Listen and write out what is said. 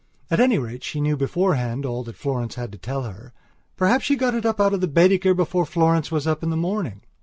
At any rate, she knew beforehand all that Florence had to tell her. Perhaps she got it up out of Baedeker before Florence was up in the morning.